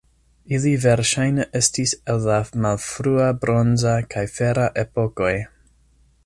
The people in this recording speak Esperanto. Ili verŝajne estis el la malfrua bronza kaj fera epokoj.